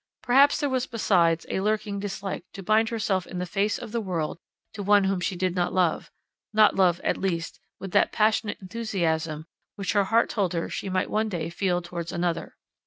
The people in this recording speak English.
Perhaps there was besides a lurking dislike to bind herself in the face of the world to one whom she did not love—not love, at least, with that passionate enthusiasm which her heart told her she might one day feel towards another.